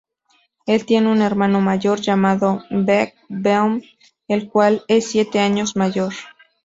El tiene un hermano mayor llamado Baek-beom, el cual es siete años mayor.